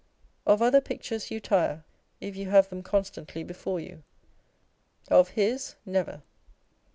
Of other pictures you tire, if you have them constantly before you ; of his, never.